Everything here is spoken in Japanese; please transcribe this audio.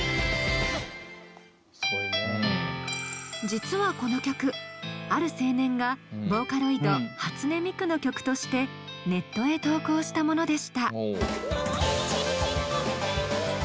実はこの曲ある青年がボーカロイド初音ミクの曲としてネットへ投稿したものでした。